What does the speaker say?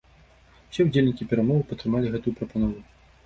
Усе ўдзельнікі перамоваў падтрымалі гэтую прапанову.